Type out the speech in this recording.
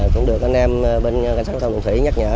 cũng được anh em bên an toàn giao thông đường thủy nhắc nhở